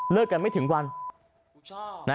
กันไม่ถึงวัน